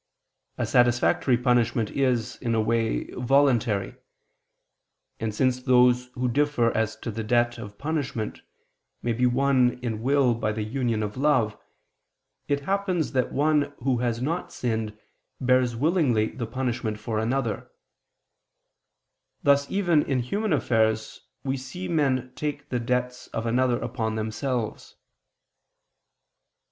A satisfactory punishment is, in a way, voluntary. And since those who differ as to the debt of punishment, may be one in will by the union of love, it happens that one who has not sinned, bears willingly the punishment for another: thus even in human affairs we see men take the debts of another upon themselves.